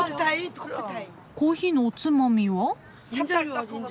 コーヒーのおつまみは？